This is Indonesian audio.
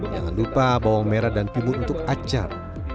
jangan lupa bawang merah dan pibut untuk acar